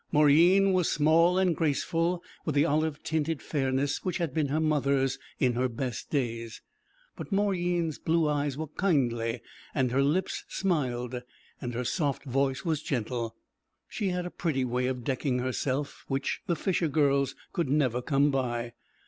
Mauryeen was small and graceful, with the olive tinted fairness which had been her mother's in her best days. But Mauryeen's blue eyes were kindly and her lips smiled, and her soft voice was gentle; she had a pretty way of decking herself which the fisher girls could never come by.